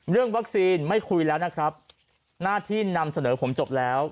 เรื่องวัคซีนไม่คุยแล้วนะครับหน้าที่นำเสนอผมจบแล้ว